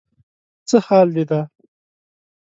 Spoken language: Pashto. څه حال دې دی؟